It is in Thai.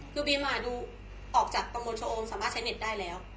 คือบีมออกจากตำรวจโชโมงสามารถใช้เนียตได้แล้ว